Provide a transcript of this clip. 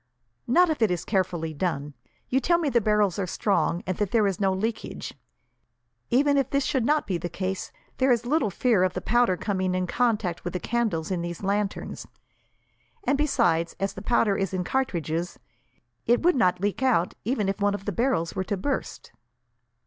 "Not if it is carefully done. You tell me the barrels are strong, and that there is no leakage. Even if this should not be the case, there is little fear of the powder coming in contact with the candles in these lanterns; and besides, as the powder is in cartridges, it would not leak out even if one of the barrels were to burst."